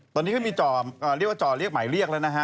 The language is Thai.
ตอนนี้ก็มีจ่อเรียกว่าจ่อเรียกหมายเรียกแล้วนะฮะ